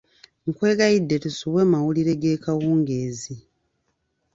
Nkwegayiridde tosubwa mawulire g'ekawungeezi.